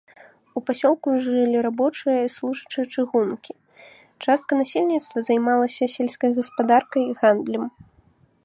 У пасёлку жылі рабочыя і служачыя чыгункі, частка насельніцтва займалася сельскай гаспадаркай, гандлем.